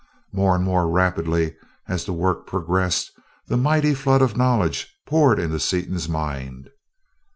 More and more rapidly as the work progressed the mighty flood of knowledge poured into Seaton's mind.